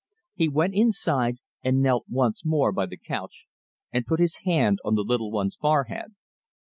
He went inside, and knelt once more by the couch, and put his hand on the little one's forehead.